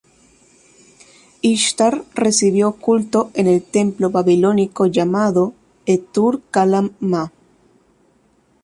Ishtar recibió culto en el templo babilónico llamado E.tur.kalam.ma.